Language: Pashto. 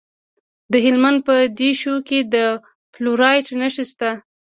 د هلمند په دیشو کې د فلورایټ نښې شته.